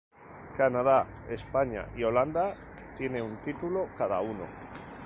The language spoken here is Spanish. Canadá, España y Holanda tiene un título cada uno.